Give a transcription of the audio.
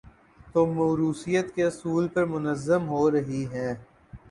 تو موروثیت کے اصول پر منظم ہو رہی ہیں۔